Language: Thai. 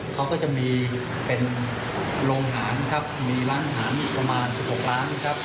เขาก็จะมีเป็นโรงอาหารครับมีร้านอาหารอีกประมาณ๑๖ล้านนะครับ